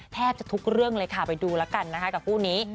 แทบจะทุกเรื่องเลยค่ะไปดูแล้วกันนะคะกับคู่นี้